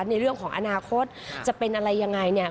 ในเรื่องของอนาคตจะเป็นอะไรอย่างไร